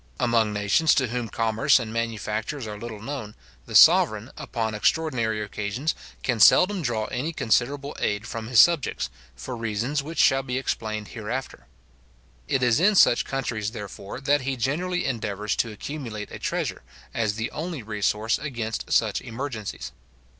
Among nations to whom commerce and manufactures are little known, the sovereign, upon extraordinary occasions, can seldom draw any considerable aid from his subjects, for reasons which shall be explained hereafter. It is in such countries, therefore, that he generally endeavours to accumulate a treasure, as the only resource against such emergencies.